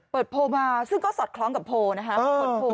โพลมาซึ่งก็สอดคล้องกับโพลนะคะ